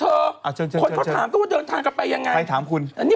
เอาให้ผมกินเม็ดหนึ่งสิ